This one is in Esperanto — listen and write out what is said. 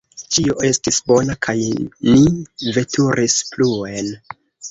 Ĉio estis bona, kaj ni veturis pluen.